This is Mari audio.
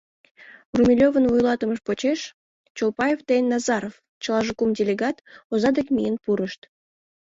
Румелёвын вуйлатымыж почеш Чолпаев ден Назаров — чылаже кум делегат — оза дек миен пурышт.